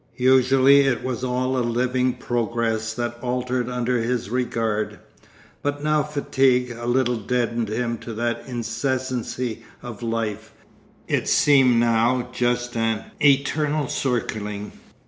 Usually it was all a living progress that altered under his regard. But now fatigue a little deadened him to that incessancy of life, it seemed now just an eternal circling.